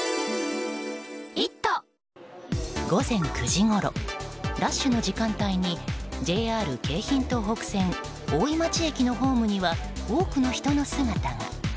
午前９時ごろラッシュの時間帯にＪＲ京浜東北線大井町駅のホームには多くの人の姿が。